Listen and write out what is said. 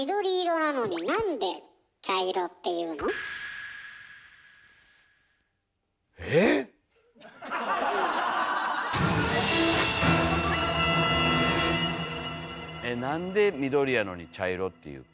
なんで緑やのに茶色っていうか。